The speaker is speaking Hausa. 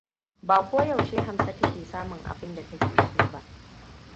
Ba ko yaushe Hamsatu ke samun abin da take so ba.